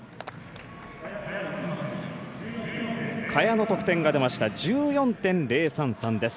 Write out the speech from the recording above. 萱の得点が出ました。１４．０３３です。